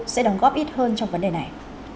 sẽ đồng góp ít hơn trong vấn đề này